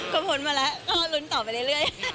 ก็พ้นมาแล้วก็ลุ้นต่อไปเรื่อย